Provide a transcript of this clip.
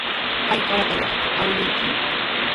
¿Ayka watayuqta awkilluyki?